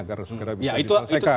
agar segera bisa diselesaikan